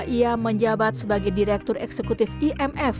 ia menjabat sebagai direktur eksekutif imf